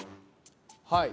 はい。